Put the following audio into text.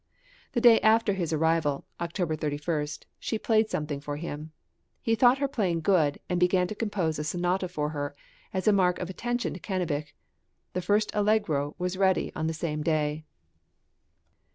" The day after his arrival (October 31) she played something to him; he thought her playing good, and began to compose a sonata for her, as a mark of attention to Cannabich. The first allegro was ready on the same day.